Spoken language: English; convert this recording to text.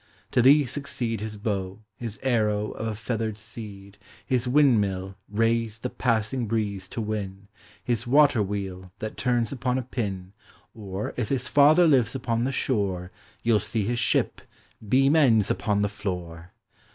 To these succeed J I is bow, his arrow of a feathered seed, 1 1 is windmill, raised the passing breeze to win, His water wheel, that turns upon a pin; Or, if his father lives upon the shore. You 'II see his ship, " beam ends upon the floor."